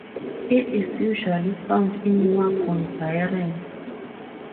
It is usually found in wagon variants.